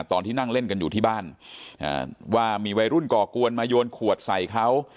ตอนที่นั่งเล่นกันอยู่ที่บ้านว่ามีวัยรุ่นก่อกวนมาโยนขวดใส่เขา